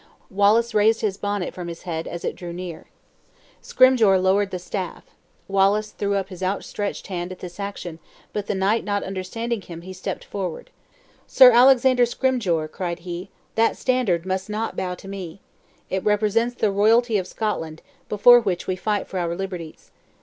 Wallace raised his bonnet from his head, as it drew near. Scrymgeour lowered the staff; Wallace threw up his outstretched hand at this action, but the knight not understanding him, he stepped forward. "Sir Alexander Scrymgeour," cried he, "that standard must now bow to me. It represents the royalty of Scotland, before which we fight for our liberties.